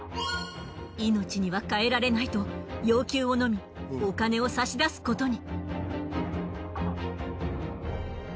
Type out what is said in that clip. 命にはかえられないと要求をのみお金を差し出すことに。